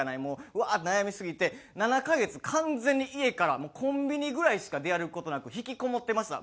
うわーって悩みすぎて７カ月完全に家からコンビニぐらいしか出歩く事なく引きこもってました。